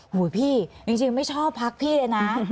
พี่จริงไม่ชอบพักพี่เลยนะ